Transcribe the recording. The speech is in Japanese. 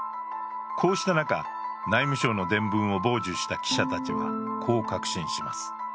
こうした中、内務省の電文を傍受した記者たちは、こう確信します。